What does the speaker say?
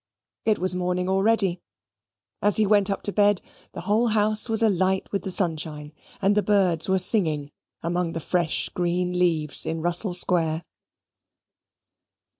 It was morning already: as he went up to bed, the whole house was alight with the sunshine; and the birds were singing among the fresh green leaves in Russell Square.